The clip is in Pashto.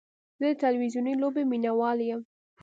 زه د تلویزیوني لوبې مینهوال یم.